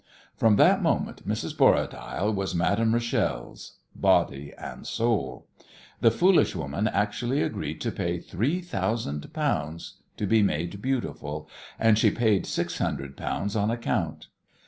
From that moment Mrs. Borradaile was Madame Rachel's body and soul. The foolish woman actually agreed to pay three thousand pounds to be made beautiful, and she paid six hundred pounds on account.